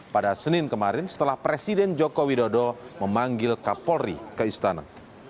pada senin kemarin setelah presiden joko widodo memanggil kapolri ke istana